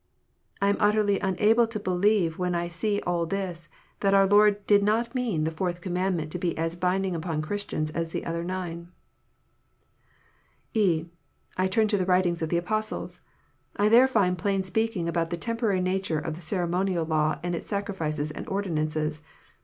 I am utterly unable to believe, when I see all this, that our Lord did not mean the Fourth Commandment to be as binding on Christians as the other nine. (e) I turn to the writings of the Apostles. I there find plain speaking about the temporary nature of the ceremonial law and its sacrifices and ordinances.